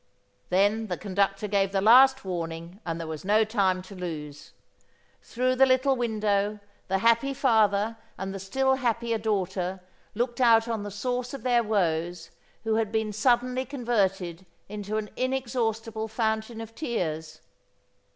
Then the conductor gave the last warning and there was no time to lose. Through the little window the happy father and the still happier daughter looked out on the source of their woes who had been suddenly converted into an inexhaustible fountain of tears.